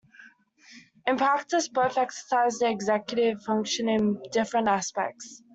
In practice, both exercised the executive function in different aspects.